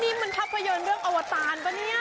นี่มันภาพยนตร์เรื่องอวตารปะเนี่ย